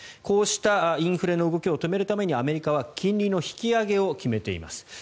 こうしたインフレの動きを止めるためにアメリカは金利の引き上げを決めています。